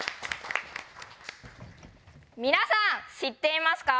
皆さん知っていますか？